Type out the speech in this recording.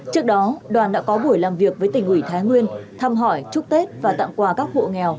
trước đó đoàn đã có buổi làm việc với tỉnh ủy thái nguyên thăm hỏi chúc tết và tặng quà các hộ nghèo